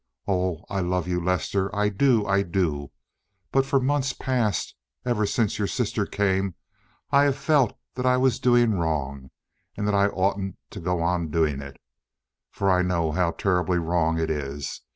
Oh, I love you, Lester, I do, I do. But for months past—ever since your sister came—I felt that I was doing wrong, and that I oughtn't to go on doing it, for I know how terribly wrong it is.